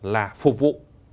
là phục vụ